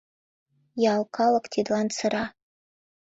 Ял калык тидлан сыра.